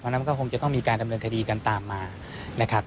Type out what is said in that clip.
นั้นก็คงจะต้องมีการดำเนินคดีกันตามมานะครับ